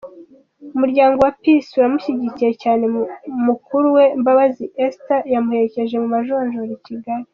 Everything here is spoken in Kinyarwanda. Umuryango wa Peace uramushyigikiye cyane, mukuru we Mbabazi Esther yamuherekeje mu majonjora i Kigali.